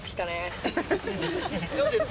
どうですか？